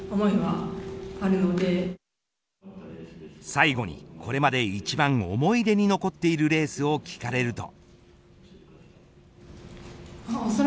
最後にこれまで一番思い出に残っているレースを聞かれると。